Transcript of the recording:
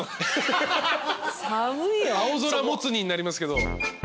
青空もつ煮になりますけど。